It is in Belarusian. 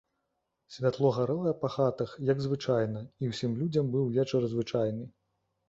Святло гарэла па хатах, як звычайна, і ўсім людзям быў вечар звычайны.